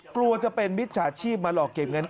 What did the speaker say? กลัวจะเป็นมิจฉาชีพมาหลอกเก็บเงิน